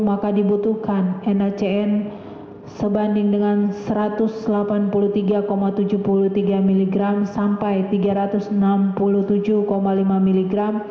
maka dibutuhkan nacn sebanding dengan satu ratus delapan puluh tiga tujuh puluh tiga miligram sampai tiga ratus enam puluh tujuh lima miligram